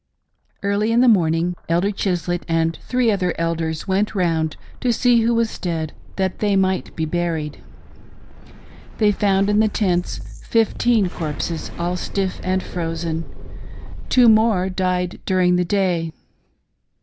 Early in the morning, Elder Chislett and three other Elders went round to see who was dead, that they might be buried. They found in the tents fifteen corpses— all stiff and frozen. Two more died during the day.